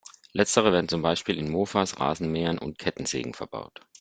Letztere werden zum Beispiel in Mofas, Rasenmähern und Kettensägen verbaut.